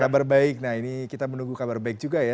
kabar baik nah ini kita menunggu kabar baik juga ya